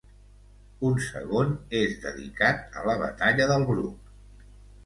Un segon és dedicat a la batalla del Bruc.